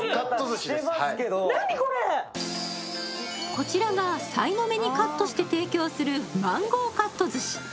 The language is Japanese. こちらがさいの目にカットして提供するマンゴーカット寿司。